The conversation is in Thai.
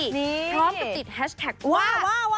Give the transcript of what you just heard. พร้อมกับติดแฮชแท็กว่า